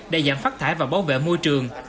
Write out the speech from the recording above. để giảm phát thải và bảo vệ môi trường